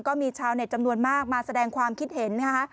ก็มีชาวเน็ตจำนวนมากมาแสดงความคิดเห็นนะคะ